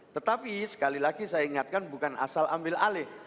tetapi sekali lagi saya ingatkan bukan asal ambil alih